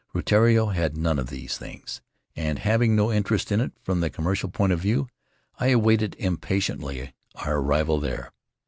Rutiaro had none of these things, and, having no interest in it from the commercial poi of view, I awaited impatiently our arrival there.